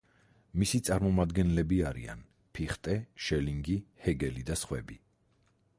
მისი წარმომადგენლები არიან: ფიხტე, შელინგი, ჰეგელი და სხვები.